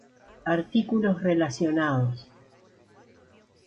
Artículos relacionados: